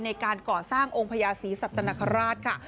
ในการก่อสร้างองค์พญาศรีสัตนคราชค่ะ